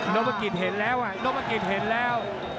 โนโปรกิตเห็นแล้วอ่ะโนโปรกิตเห็นแล้ว